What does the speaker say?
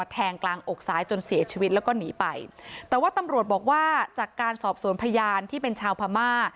แต่ว่าตำรวจบอกว่าจากการสอบสวนพยานที่เป็นชาวพม่า